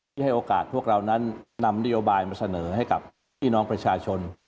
ให้โอกาสพวกเรานั้นนำนโยบายมาเสนอให้กับพี่น้องประชาชน